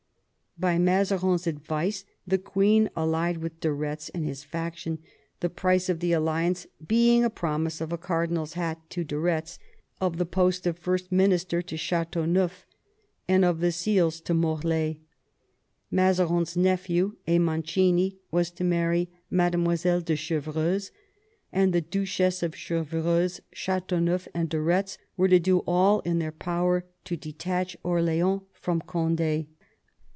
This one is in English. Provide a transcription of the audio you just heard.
By Mazarin's advice the queen allied with de Retz and his faction, the price of the alliance being a promise of a cardinal's hat to de Retz, of the V THE EARLY YEARS OF THE NEW FRONDE 95 post of First Minister to CMteauneuf, and of the seals to Mol^. Mazarin's nephew, a Mancini, was to marry Madlle. de Chevreuse; and the Duchess of Chevreuse, Ch^teauneuf, and de Retz were to do all in their power to detach Orleans from Cond^.